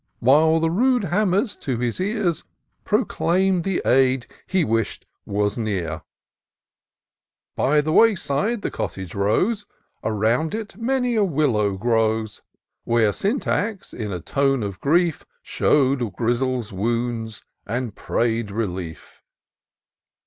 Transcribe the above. While the rude hammers to his ear Proclaim'd the aid he wish'd was near. 40 TOUR OP DOCTOR SYNTAX By the way side the cottage rose, Around it many a willow grows, Where Sjmtax, in a tone of grief, Shew'd Grizzle's wounds, and pray'd relief.